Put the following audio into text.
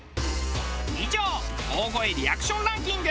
以上大声リアクションランキング